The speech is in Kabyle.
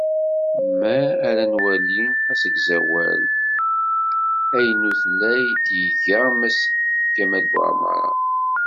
Mi ara nwali asegzawal aynutlay i d-iga Mass kamel Buεmara.